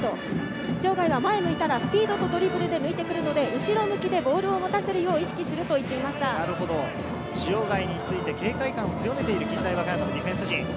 塩貝が前を向いたらスピードとドリブルで抜いてくるので、後ろ向きでボールを持たせるよう塩貝について警戒感を強めている近大和歌山のディフェンス陣。